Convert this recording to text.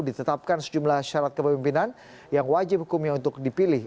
ditetapkan sejumlah syarat kepemimpinan yang wajib hukumnya untuk dipilih